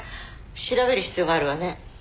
調べる必要があるわね。